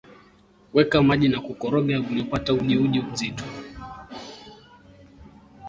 weka maji na kukoroga iliupate ujiuji mzito